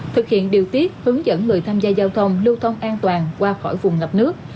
thực hiện điều tiết hướng dẫn người tham gia giao thông lưu thông an toàn qua khỏi vùng ngập nước